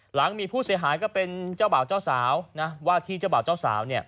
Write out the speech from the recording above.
หลังมีผู้เสียหายก็เป็นเจ้าบ่าวเจ้าสาว